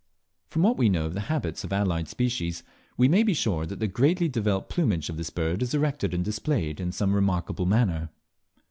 From what we know of the habits of allied species, we may be sure that the greatly developed plumage of this bird is erected and displayed in some remarkable manner.